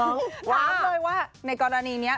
ถามเลยว่าในกรณีนี้